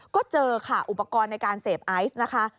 ก็เจอค่ะอุปกรณ์ในการเสพไอซ์นะคะ